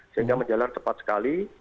sehingga menjalan cepat sekali